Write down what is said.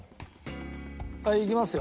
はいいきますよ。